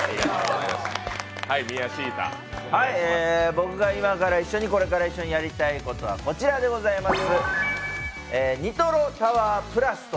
僕が今からこれから一緒にやりたいことはこちらでございます。